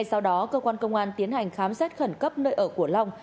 sau đó cơ quan công an tiến hành khám xét khẩn cấp nơi ở của long